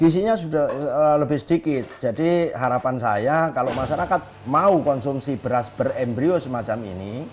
isinya sudah lebih sedikit jadi harapan saya kalau masyarakat mau konsumsi beras berembryo semacam ini